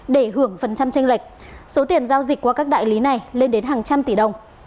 để hưởng phần trăm tranh lệch số tiền giao dịch qua các đại lý này lên đến hàng trăm tỷ đồng